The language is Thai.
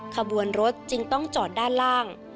ขบวนรถจึงต้องจอดด้านล่าง